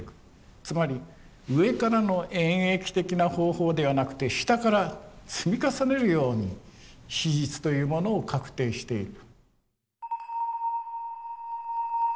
つまり上からの演繹的な方法ではなくて下から積み重ねるように史実というものを確定していく。